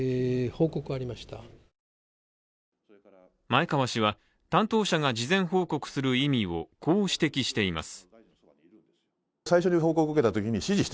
前川氏は、担当者が事前報告する意味をこう指摘しています。